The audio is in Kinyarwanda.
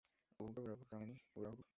Ububwa buravukanwa nti burahurwa